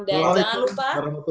dan jangan lupa